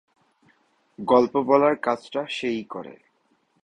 গল্প বলার কাজটা সে-ই করে।